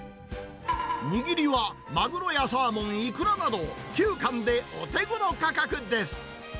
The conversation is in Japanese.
握りはマグロやサーモン、イクラなど９貫でお手ごろ価格です。